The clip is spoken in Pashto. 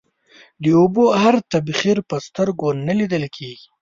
د اوبو هر تبخير په سترگو نه ليدل کېږي.